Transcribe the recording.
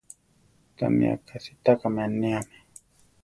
Tamí aka sitákame níame.